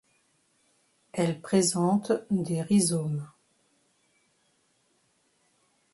Elles présentent des rhizomes.